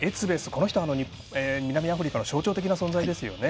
この人が南アフリカの象徴的な存在ですよね。